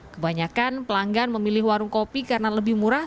kebanyakan pelanggan memilih warung kopi karena lebih murah